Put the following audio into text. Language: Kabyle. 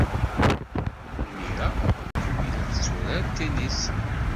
Imir-a, Kumi la tetturar tennis.